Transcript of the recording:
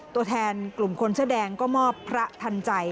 ตัวแทนกลุ่มคนเสื้อแดงก็มอบพระทันใจ